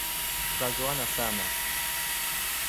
Tukazoeana sana